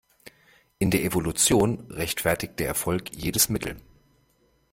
In der Evolution rechtfertigt der Erfolg jedes Mittel.